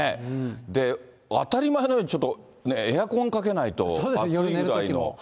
で、当たり前のようにちょっとエアコンかけないと、暑いぐらいの。